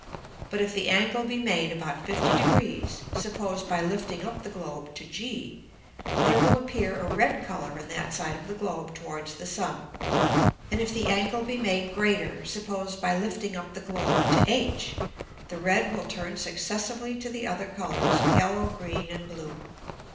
But if the Angle be made about 50 Degrees (suppose by lifting up the Globe to G) there will appear a red Colour in that side of the Globe towards the Sun, and if the Angle be made greater (suppose by lifting up the Globe to H) the red will turn successively to the other Colours, yellow, green and blue.